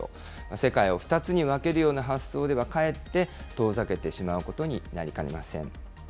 世界を２つに分けるような発想ではかえって遠ざけてしまうことになりかねません。